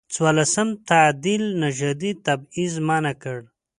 څورلسم تعدیل نژادي تبعیض منع کړ.